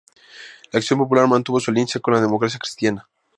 Acción Popular mantuvo su alianza con la Democracia Cristiana.